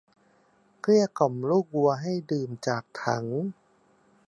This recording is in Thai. เกลี้ยกล่อมลูกวัวให้ดื่มจากถัง